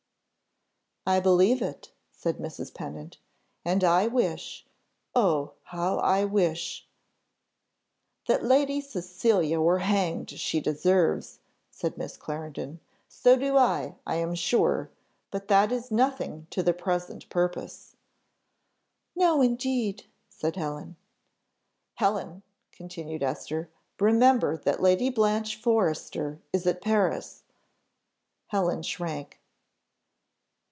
"I believe it," said Mrs. Pennant; "and I wish oh, how I wish " "That Lady Cecilia were hanged, as she deserves," said Miss Clarendon: "so do I, I am sure; but that is nothing to the present purpose." "No, indeed," said Helen. "Helen!" continued Esther, "remember that Lady Blanche Forrester is at Paris." Helen shrank.